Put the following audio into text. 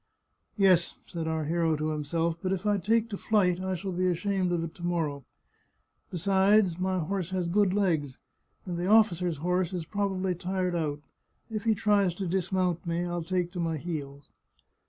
Yes," said our hero to himself, " but if I take to flight I shall be ashamed of it to morrow. Besides, my horse has good legs, and the officer's horse is probably tired out. If he tries to dismount me I'll take to my heels."